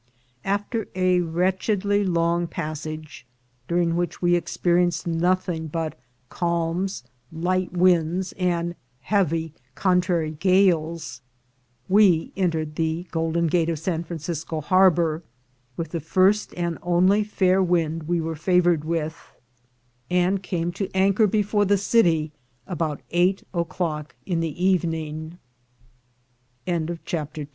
After a wretchedly long passage, during which we experienced nothing but calms, light winds, and heavy contrary gales, we entered the Golden Gate of San Francisco harbor with the first and only fair wind we were favored with, and came to anchor before the city abou